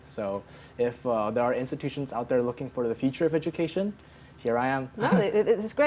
jadi jika ada institusi yang mencari keuntungan untuk pendidikan disini saya